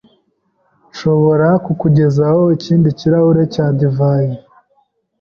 Nshobora kukugezaho ikindi kirahure cya divayi?